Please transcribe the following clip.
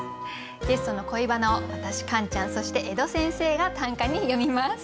ゲストの恋バナを私カンちゃんそして江戸先生が短歌に詠みます。